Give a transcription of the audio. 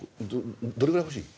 どれぐらい欲しい？